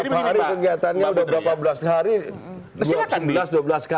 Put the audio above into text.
mbak eri kegiatannya sudah berapa belas hari